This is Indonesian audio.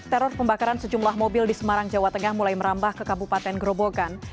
teror pembakaran sejumlah mobil di semarang jawa tengah mulai merambah ke kabupaten gerobogan